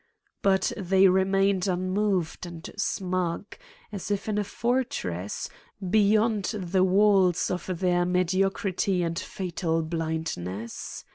But they remained unmoved and smug, as if in a for tress, beyond the walls of their mediocrity and fatal blindness.